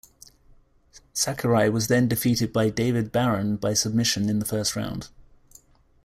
Sakurai was then defeated by David Baron by submission in the first round.